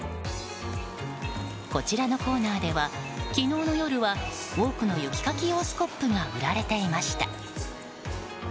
こちらのコーナーでは昨日の夜は多くの雪かき用スコップが売られていました。